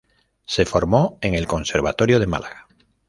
Se formó en el Conservatorio de Málaga.